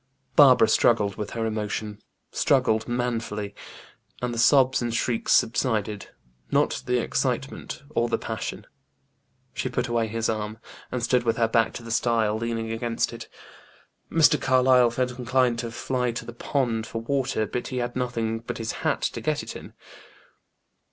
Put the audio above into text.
Barbara struggled with her emotion struggled manfully and the sobs and shrieks subsided; not the excitement or the passion. She put away his arm, and stood with her back to the stile, leaning against it. Mr. Carlyle felt inclined to fly to the pond for water, but he had nothing but his hat to get it in.